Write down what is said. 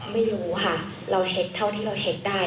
ไม่รู้ค่ะเราเช็คเท่าที่เราเช็คได้